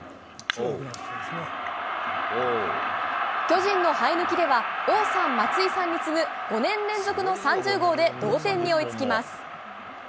巨人の生え抜きでは王さん、松井さんに次ぐ５年連続の３０号で同点に追いつきます。